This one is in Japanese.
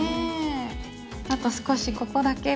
あと少しここだけ。